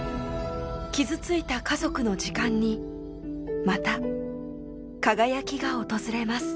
傷ついた家族の時間にまた輝きが訪れます。